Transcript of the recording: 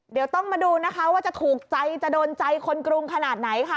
เดี๋ยวต้องมาดูนะคะว่าจะถูกใจจะโดนใจคนกรุงขนาดไหนค่ะ